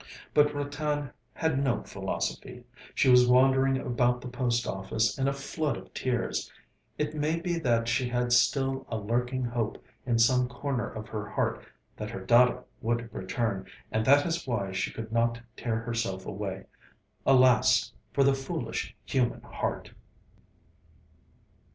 But Ratan had no philosophy. She was wandering about the post office in a flood of tears. It may be that she had still a lurking hope in some corner of her heart that her Dada would return, and that is why she could not tear herself away. Alas for the foolish human heart!